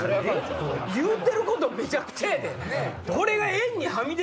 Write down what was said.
言うてることめちゃくちゃやで。